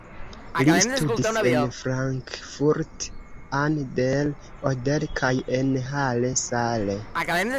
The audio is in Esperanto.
Li studis en Frankfurt an der Oder kaj en Halle (Saale).